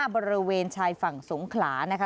บริเวณชายฝั่งสงขลานะคะ